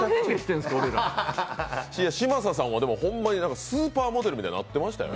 嶋佐さんはほんまにスーパーモデルみたいになってましたよ。